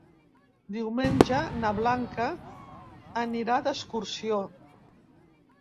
Diumenge na Blanca anirà d'excursió.